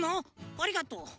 ありがとう。